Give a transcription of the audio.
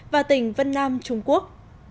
và tỉnh vân nam trung quốc